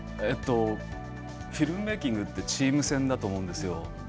フィルムメーキングはチーム戦だと思うんです。